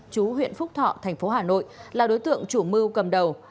chú huyện phúc thọ thành phố hà nội là đối tượng chủ mưu cầm đầu